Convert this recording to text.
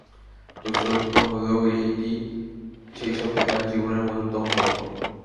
দুঃস্বপ্ন হলেও এটি সেইসঙ্গে তাঁর জীবনের মধুরতম স্বপ্ন।